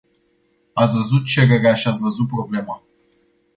Ați văzut cererea și ați văzut problema.